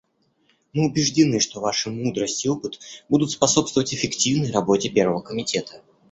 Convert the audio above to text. Мы убеждены, что Ваши мудрость и опыт будут способствовать эффективной работе Первого комитета.